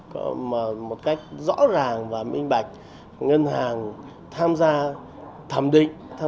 một cách rõ ràng và minh bạch ngân hàng tham gia thẩm định